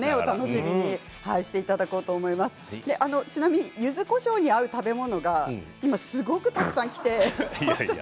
ちなみにゆずこしょうに合う食べ物がすごくたくさんきて。